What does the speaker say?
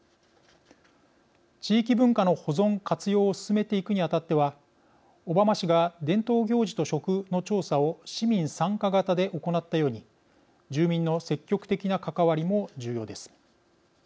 地域文化の保存活用を進めていくにあたっては小浜市が伝統行事と食の調査を市民参加型で行ったように住民の積極的な関わりも重要です。